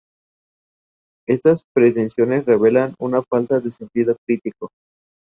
Ted alista a su familia y Audrey para ayudarle a plantar la semilla.